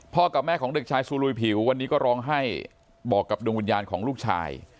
กับแม่ของเด็กชายซูลุยผิววันนี้ก็ร้องไห้บอกกับดวงวิญญาณของลูกชาย